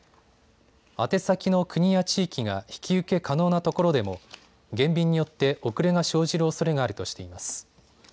宛先の国や地域が引き受け可能なところでも減便によって遅れが生じるおそれがあるとしています。